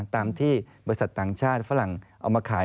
ตามที่บริษัทต่างชาติฝรั่งเอามาขาย